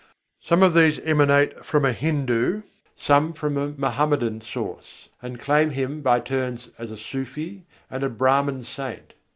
Some of these emanate from a Hindu, some from a Mohammedan source, and claim him by turns as a Sûfî and a Brâhman saint.